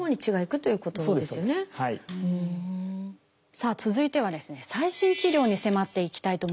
さあ続いてはですね最新治療に迫っていきたいと思います。